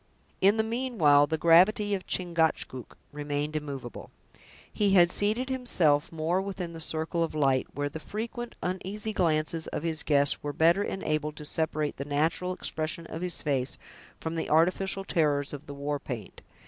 In the meanwhile, the gravity of Chingcachgook remained immovable. He had seated himself more within the circle of light, where the frequent, uneasy glances of his guests were better enabled to separate the natural expression of his face from the artificial terrors of the war paint.